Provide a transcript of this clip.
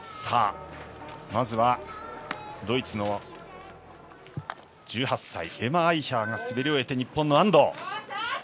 まずはドイツの１８歳エマ・アイヒャーが滑り終えて日本の安藤。